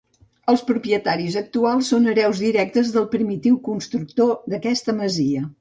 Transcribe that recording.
Els propietaris actuals són hereus directes del primitiu constructor d'aquesta masia.